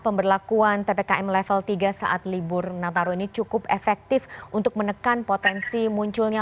pemberlakuan ppkm level tiga saat libur nataru ini cukup efektif untuk menekan potensi munculnya